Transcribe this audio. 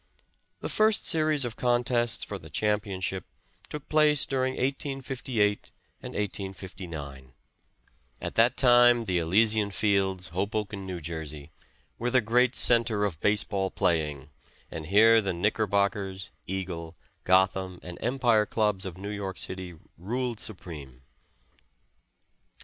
The first series of contests for the championship took place during 1858 and 1859. At that time the Elysian Fields, Hoboken, N. J., were the great center of base ball playing, and here the Knickerbockers, Eagle, Gotham and Empire Clubs of New York City ruled supreme.